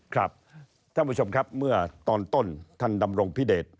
ครับท่านผู้ชมครับเมื่อตอนต้นท่านดำรงพิเดช